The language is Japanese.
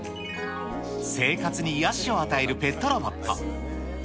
生活に癒やしを与えるペットロボット。